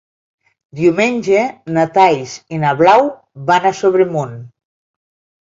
Diumenge na Thaís i na Blau van a Sobremunt.